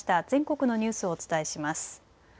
全国のニュースをお伝えします。